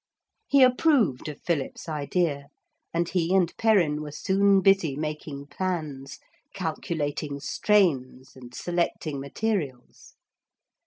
He approved of Philip's idea, and he and Perrin were soon busy making plans, calculating strains and selecting materials.